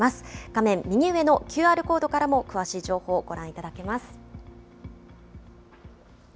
画面右上のＱＲコードからも詳しい情報、ご覧いただけます。